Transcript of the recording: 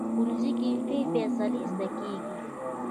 ښوونځی کې ښې فیصلې زده کېږي